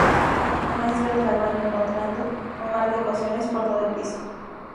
Un maestro entra al baño, encontrando un mar de ecuaciones por todo el piso.